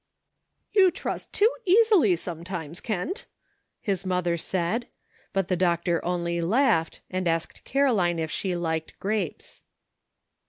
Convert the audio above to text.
''You trust too easily sometimes, Kent," his mother said, but the doctor only laughed, and asked Caroline if she liked grapes.